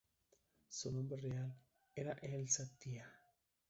Su nombre real era Elsa Tia.